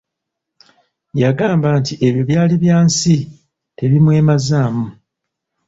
Yagamba nti ebyo byali bya nsi tebimwemazaamu.